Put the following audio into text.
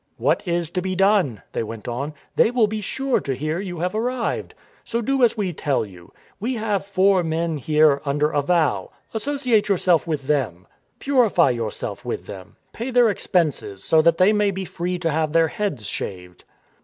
*' What is to be done ?" they went on. " They will be sure to hear you have arrived. So do as we tell you. We have four men here under a vow; associate yourself with them. Purify yourself with them. Pay their expenses, so that they may be free to have their heads shaved."